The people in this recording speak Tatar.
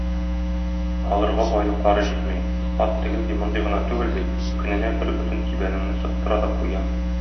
Алырга байлыклары җитми - ат тегенди-мондый гына түгел бит, көненә бер бөтен кибәнеңне сыптыра да куя.